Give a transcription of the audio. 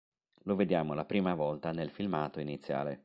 Lo vediamo la prima volta nel filmato iniziale.